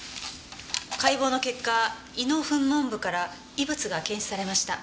解剖の結果胃の噴門部から異物が検出されました。